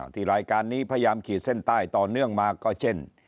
ที่รายการนี้พยายามขีดเส้นใต้ต่อเนื่องมาก็เช่น